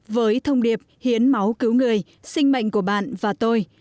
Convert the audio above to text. với thông điệp hiến máu cứu người sinh mệnh của bạn và tôi